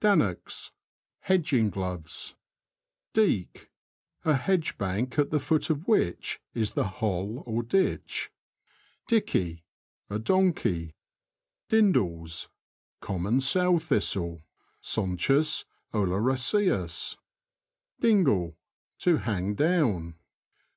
Dannocks. — Hedging gloves. Deek. — A hedgebank at the foot of which is the hoU or ditch. Dickey. — A donkey. Dindles. — Common sow thistle [Sonchus oleraceus). Dingle. — To hang down.